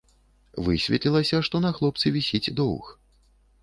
Высветлілася, што на хлопцы вісіць доўг.